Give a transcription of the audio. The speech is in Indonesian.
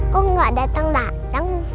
kok nggak datang datang